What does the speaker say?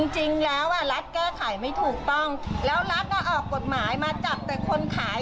จริงแล้วรัฐแก้ไขไม่ถูกต้องแล้วรัฐก็ออกกฎหมายมาจับแต่คนขาย